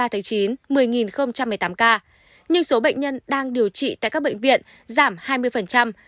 số ca bệnh mới ngày hai mươi ba tháng chín là một mươi một mươi tám ca nhưng số bệnh nhân đang điều trị tại các bệnh viện giảm hai mươi